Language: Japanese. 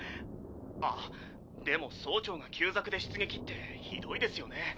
あっでも曹長が旧ザクで出撃ってひどいですよね。